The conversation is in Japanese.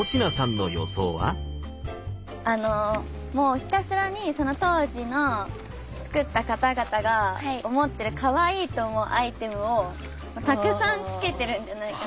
あのもうひたすらにその当時のつくった方々が思ってるかわいいと思うアイテムをたくさんつけてるんじゃないか。